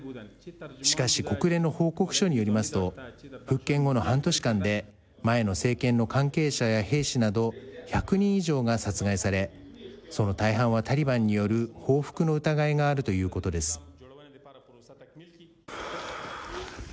しかし、国連の報告書によりますと、復権後の半年間で、前の政権の関係者や兵士など、１００人以上が殺害され、その大半はタリバンによる報復の疑いがあるということです。